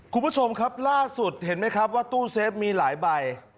คุณผู้ชมครับล่าสุดเห็นไหมครับว่าตู้เซฟมีหลายใบ